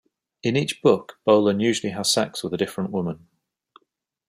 In each book, Bolan usually has sex with a different woman.